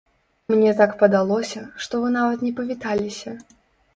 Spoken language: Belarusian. Мне так падалося, што вы нават не павіталіся.